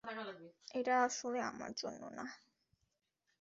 এটা আসলে আমার জন্য না।